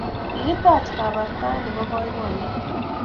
Kigitach kabartaet noto eng boiboiyet